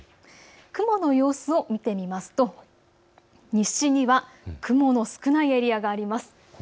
雲の様子を見てみますと西には雲の少ないエリアがあります。